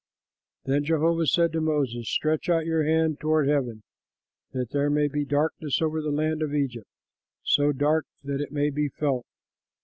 Then Jehovah said to Moses, "Stretch out your hand toward heaven, that there may be darkness over the land of Egypt, so dark that it may be felt."